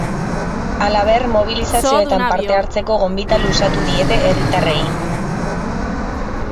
Halaber, mobilizazioetan parte hartzeko gonbita luzatu diete herritarrei.